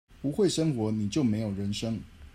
不會生活，你就沒有人生